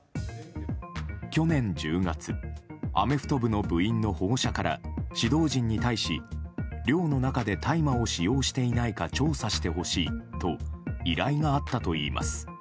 去年１０月、アメフト部の部員の保護者から指導陣に対し寮の中で大麻を使用していないか調査してほしいと依頼があったといいます。